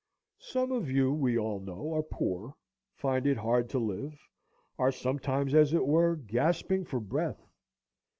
Some of you, we all know, are poor, find it hard to live, are sometimes, as it were, gasping for breath.